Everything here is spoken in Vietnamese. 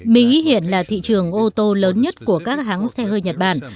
mỹ hiện là thị trường ô tô lớn nhất của các hãng xe hơi nhật bản